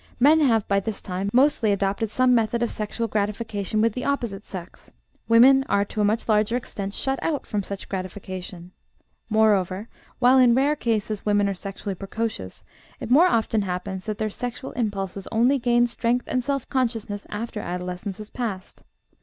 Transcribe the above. Men have, by this time, mostly adopted some method of sexual gratification with the opposite sex; women are to a much larger extent shut out from such gratification; moreover, while in rare cases women are sexually precocious, it more often happens that their sexual impulses only gain strength and self consciousness after adolescence has passed.